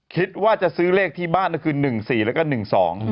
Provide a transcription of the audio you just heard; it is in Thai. คิดว่าจะซื้อเลขที่บ้านก็คือ๑๔แล้วก็๑๒